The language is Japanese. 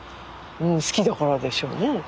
うん好きだからでしょうね。